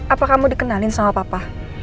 apa kamu dikenalin sama papa